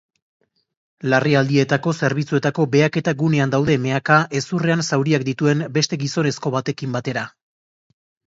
Larrialdietako zerbitzuetako behaketa gunean daude mehaka hezurrean zauriak dituen beste gizonezko batekin batera.